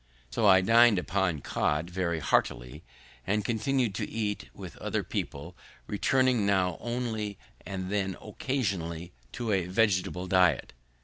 So I din'd upon cod very heartily, and continued to eat with other people, returning only now and then occasionally to a vegetable diet.